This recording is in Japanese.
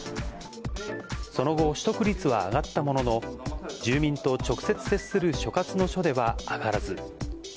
その後、取得率は上がったものの、住民と直接接する所轄の署では上がらず。